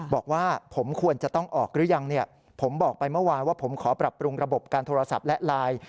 บอกว่าผมควรจะต้องออกหรือยังเนี่ยผมบอกไปเมื่อวานว่าผมขอปรับปรุงระบบการโทรศัพท์และไลน์